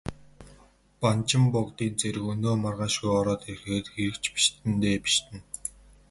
Банчин богдын цэрэг өнөө маргаашгүй ороод ирэхээр хэрэг ч бишиднэ дээ, бишиднэ.